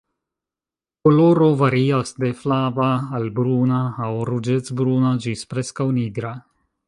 Koloro varias de flava al bruna aŭ ruĝecbruna ĝis preskaŭ nigra.